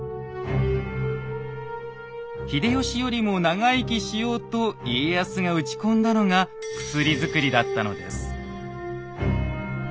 秀吉よりも長生きしようと家康が打ち込んだのがと思います。